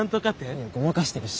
いやごまかしてるし。